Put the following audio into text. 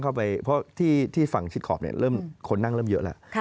เพราะที่ฝั่งชิดขอบเริ่มคนนั่งเริ่มเยอะแล้ว